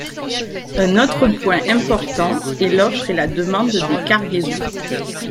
Un autre point important est l'offre et la demande des cargaisons.